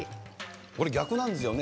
これ、逆なんですよね。